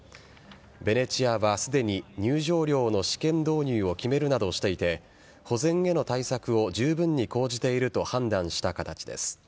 ベネチアは、すでに入場料の試験導入を決めるなどしていて保全への対策をじゅうぶんに講じていると判断した形です。